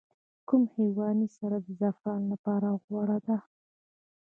کوم حیواني سره د زعفرانو لپاره غوره ده؟